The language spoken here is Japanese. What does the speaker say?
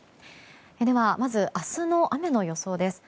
では、まず明日の雨の予想です。